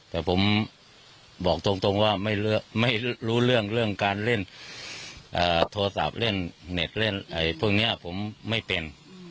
แต่ผมบอกตรงว่าไม่รู้เรื่องเรื่องการเล่นโทรศัพท์เล่นเน็ตเล่นอะไรพวกนี้ผมไม่เป็น